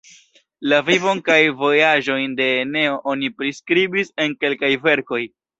La vivon kaj vojaĝojn de Eneo oni priskribis en kelkaj verkoj.